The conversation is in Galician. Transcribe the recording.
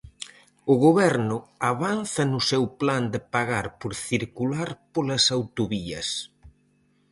O Goberno avanza no seu plan de pagar por circular polas autovías.